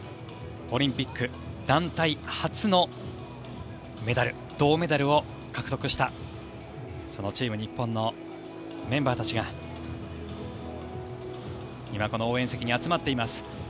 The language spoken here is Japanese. オリンピック団体初のメダル銅メダルを獲得したそのチーム日本のメンバーたちが今、この応援席に集まっています。